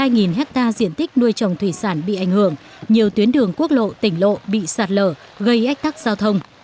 sáu hai nghìn hecta diện tích nuôi trồng thủy sản bị ảnh hưởng nhiều tuyến đường quốc lộ tỉnh lộ bị sạt lở gây ách tắc giao thông